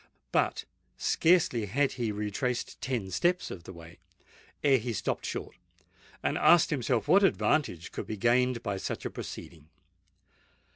But scarcely had he retraced ten steps of the way, ere he stopped short, and asked himself what advantage could be gained by such a proceeding?